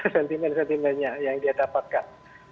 sentimen sentimennya yang dia dapatkan